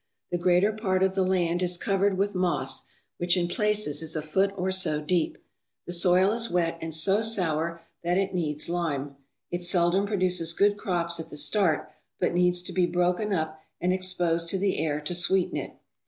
The greater part of the land is covered with moss, which, in places, is a foot or so deep. The soil is wet, and so sour that it needs lime. It seldom produces good crops at the start but needs to be broken up and exposed to the air to sweeten it.